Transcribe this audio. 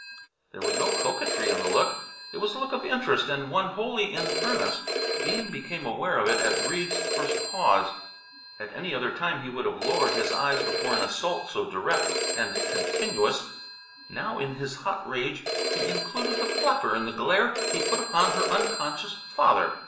There was no coquetry in the look. It was a look of interest and one wholly in earnest. Bean became aware of it at Breede's first pause. At any other time he would have lowered his eyes before an assault so direct and continuous. Now in his hot rage he included the flapper in the glare he put upon her unconscious father.